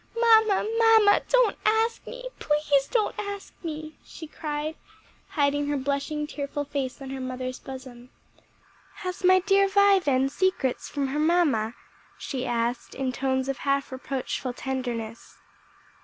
"Mamma, mamma, don't ask me! please don't ask me!" she cried, hiding her blushing, tearful face on her mother's bosom. "Has my dear Vi then secrets from her mother?" Elsie asked in tones of half reproachful tenderness.